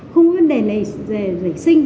không có vấn đề nảy sinh